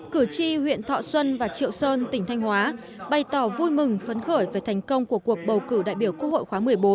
cử tri huyện thọ xuân và triệu sơn tỉnh thanh hóa bày tỏ vui mừng phấn khởi về thành công của cuộc bầu cử đại biểu quốc hội khóa một mươi bốn